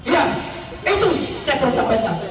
ya itu saya percaya